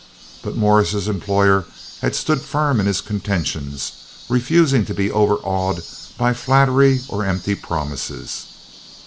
But Morris's employer had stood firm in his contentions, refusing to be overawed by flattery or empty promises.